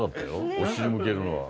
お尻向けるのは。